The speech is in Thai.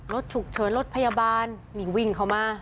รถฉุกเฉินรถพยาบาลนี่วิ่งเข้ามา